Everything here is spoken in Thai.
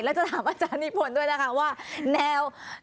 แล้วจะถามอาจารย์นิพนธ์ด้วยนะคะว่าแนว